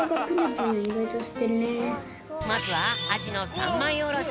まずはアジの３まいおろし。